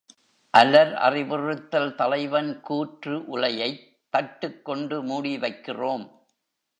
அலர் அறிவுறுத்தல் தலைவன் கூற்று உலையைத் தட்டுக்கொண்டு மூடி வைக்கிறோம்.